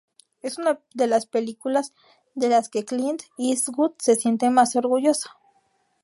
Es una de las películas de las que Clint Eastwood se siente más orgulloso.